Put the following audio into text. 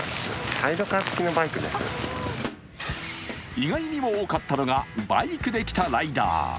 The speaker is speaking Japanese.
意外にも多かったのがバイクで来たライダー。